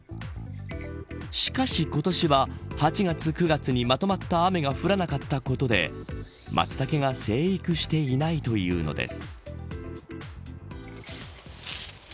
しかし、今年は８月、９月にまとまった雨が降らなかったことでマツタケが生育していないというのです。